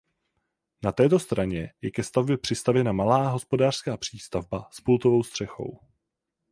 Na této straně je ke stavbě přistavěna malá hospodářská přístavba s pultovou střechou.